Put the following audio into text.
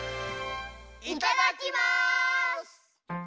いただきます！